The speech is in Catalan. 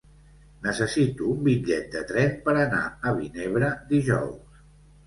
Necessito un bitllet de tren per anar a Vinebre dijous.